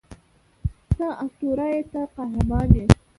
ته اسطوره یې ته قهرمان یې